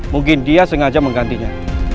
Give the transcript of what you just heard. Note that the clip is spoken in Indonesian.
mungkin dia sengaja menggantinya